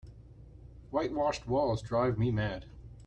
White washed walls drive me mad.